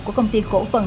của công ty cổ phần